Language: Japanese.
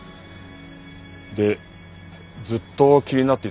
でずっと気になっていたんだが。